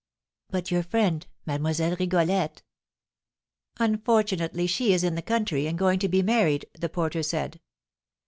"But your friend, Mademoiselle Rigolette?" "Unfortunately, she is in the country, and going to be married, the porter said.